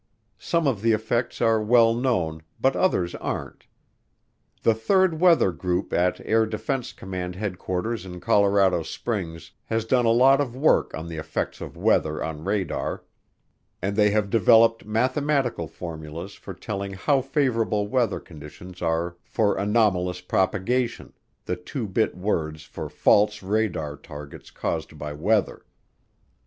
Some of the effects are well known, but others aren't. The 3rd Weather Group at Air Defense Command Headquarters in Colorado Springs has done a lot of work on the effects of weather on radar, and they have developed mathematical formulas for telling how favorable weather conditions are for "anomalous propagation," the two bit words for false radar targets caused by weather.